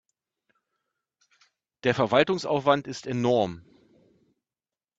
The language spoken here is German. Der Verwaltungsaufwand ist enorm.